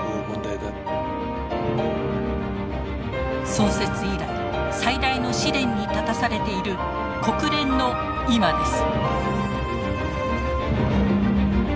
創設以来最大の試練に立たされている国連の今です。